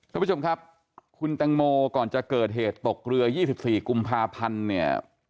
ท่านผู้ชมครับคุณแตงโมก่อนจะเกิดเหตุตกเรือ๒๔กุมภาพันธ์เนี่ย